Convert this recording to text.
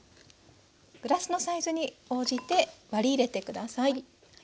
グラスのサイズに応じて割り入れて下さい。